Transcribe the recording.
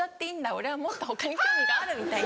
俺はもっと他に興味がある」みたいな。